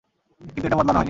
কিন্তু এটা বদলানো হয়নি।